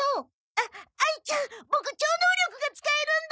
ああいちゃんボク超能力が使えるんだ！